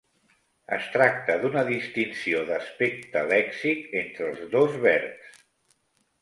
Es tracta d'una distinció d'aspecte lèxic entre els dos verbs.